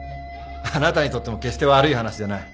あなたにとっても決して悪い話じゃない。